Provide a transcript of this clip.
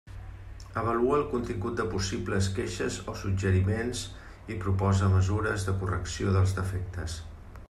Avalua el contingut de possibles queixes o suggeriments i proposa mesures de correcció dels defectes.